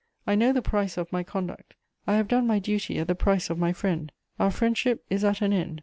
I know the price of my conduct; I have done my duty at the price of my friend; our friendship is at an end....